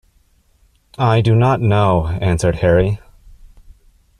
"I do not know," answered Harry.